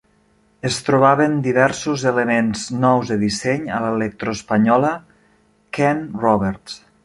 Es trobaven diversos elements nous de disseny a l'electro-espanyola Ken Roberts.